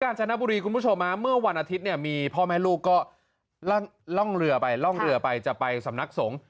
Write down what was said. การจัดหน้าบุรีคุณผู้ชมเมื่อวันอาทิตย์มีพ่อแม่ลูกก็ล่องเรือไปจะไปสำนักสงฆ์